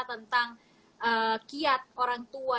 tentang kiat orang tua